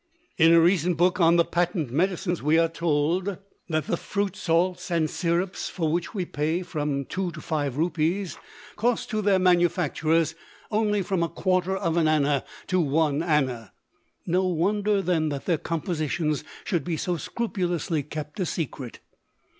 In a recent book on the Patent Medicines we are told that the Fruit salts and syrups, for which we pay from Rs. 2 to Rs. 5, cost to their manufacturers only from a quarter of an anna to one anna! No wonder, then, that their compositions should be so scrupulously kept a secret.